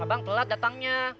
abang telat datangnya